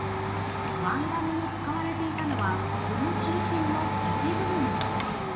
椀だねに使われていたのはこの中心の一部分だけ。